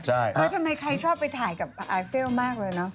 ใช่ฮะแต่ทำไมใครชอบไปถ่ายกับไอเฟลมากเลยเนอะ